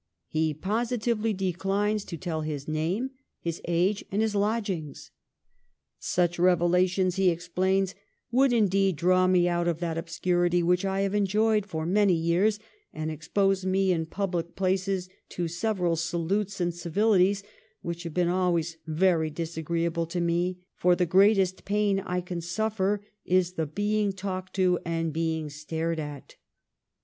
He positively declines to tell his name, his age, and his lodgings. Such revelations, he explains, ' would indeed draw me out of that obscurity which I have enjoyed for many years, and expose me in public places to several salutes and civilities, which have been always very disagreeable to me; for the greatest pain I can suffer, is the being talked to, and being stared at.